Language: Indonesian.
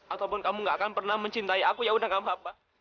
ataupun kamu gak akan pernah mencintai aku ya udah gak apa apa